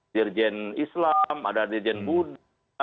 dirjen islam ada dirjen buddha